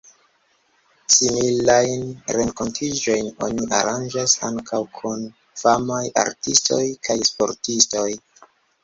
Similajn renkontiĝojn oni aranĝas ankaŭ kun famaj artistoj kaj sportistoj.